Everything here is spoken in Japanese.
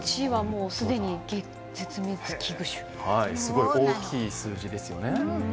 すごい大きい数字ですよね。